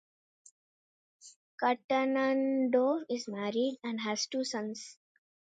Katanandov is married, and has two sons.